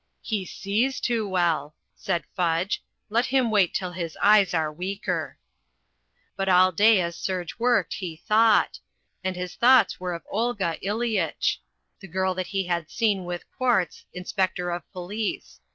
"He sees too well," said Fudj. "Let him wait till his eyes are weaker." But all day as Serge worked he thought. And his thoughts were of Olga Ileyitch, the girl that he had seen with Kwartz, inspector of police.